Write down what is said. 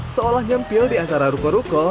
seolah nyempil di antara ruko ruko